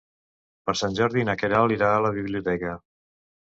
Per Sant Jordi na Queralt irà a la biblioteca.